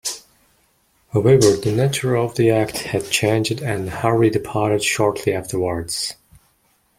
However, the nature of the act had changed and Harvey departed shortly afterwards.